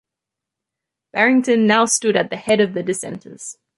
Barrington now stood at the head of the dissenters.